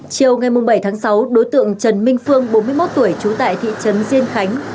chiều ngày bảy tháng sáu đối tượng trần minh phương bốn mươi một tuổi trú tại thị trấn diên khánh